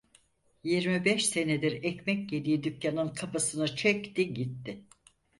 Yirmi beş senedir ekmek yediği dükkanın kapısını çekti gitti.